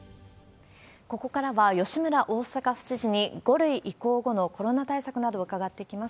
ここからは吉村大阪府知事に、５類移行後のコロナ対策など伺っていきます。